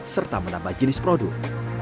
serta menambah jenis produk